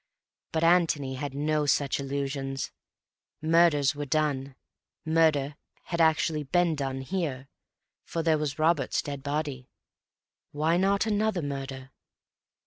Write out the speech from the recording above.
But Antony had no such illusions. Murders were done; murder had actually been done here, for there was Robert's dead body. Why not another murder?